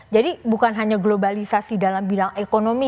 jadi bukan hanya globalisasi dalam bidang ekonomi